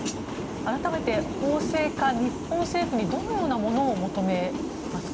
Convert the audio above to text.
改めて法制化、日本政府にどのようなものを求めますか。